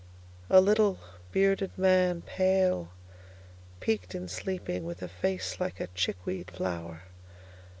A little, bearded man, pale, peaked in sleeping, With a face like a chickweed flower.